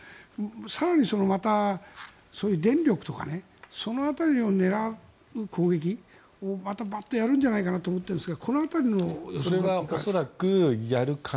更に電力とかその辺りを狙う攻撃をまたバッとやるんじゃないかなと思っているんですがこの辺りの予想はいかがですか？